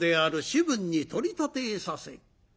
士分に取り立てさせ」。